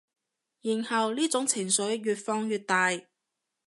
然後呢種情緒越放越大